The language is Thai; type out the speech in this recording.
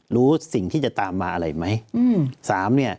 รู้สิ่งที่จะตามมาอะไรไหม